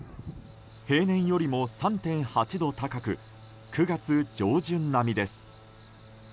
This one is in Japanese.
平年よりも３．８度高く９月上旬並みです。